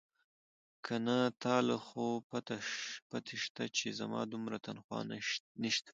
که نه تا له خو پته شتې چې زما دومره تنخواه نيشتې.